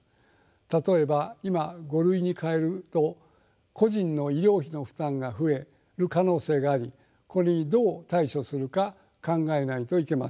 例えば今「５類」に変えると個人の医療費の負担が増える可能性がありこれにどう対処するか考えないといけません。